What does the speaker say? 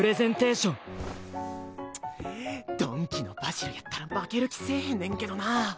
「ドン・キ」のバジルやったら負ける気せぇへんねんけどな。